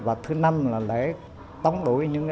và thứ năm là lễ tống đổi những